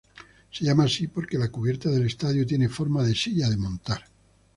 Se llama así porque la cubierta del estadio tiene forma de silla de montar.